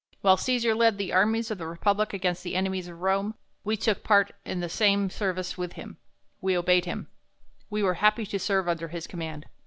While Cesar led the armies of the republic against the enemies of Rome, we took part in the same service with him ; we obeyed him ; we were happy to serve under his command.